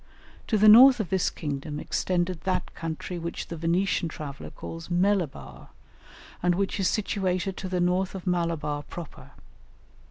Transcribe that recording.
To the north of this kingdom extended that country which the Venetian traveller calls Melibar, and which is situated to the north of Malabar proper.